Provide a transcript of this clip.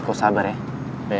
eh kok sabar ya